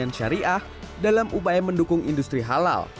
dan ekonomi syariah dalam upaya mendukung industri halal